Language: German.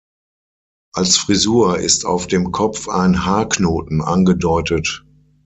Als Frisur ist auf dem Kopf ein Haarknoten angedeutet.